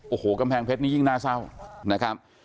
โอ้โหกำแพงเพชรนี่ยิ่งน่าเศร้านะครับ